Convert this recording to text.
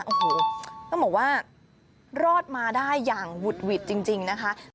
โอ้โหต้องบอกว่ารอดมาได้อย่างหุดหวิดจริงนะคะ